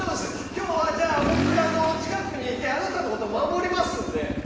今日は僕が近くにいてあなたのこと守りますんで。